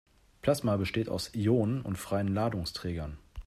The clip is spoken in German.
Plasma besteht aus Ionen und freien Ladungsträgern.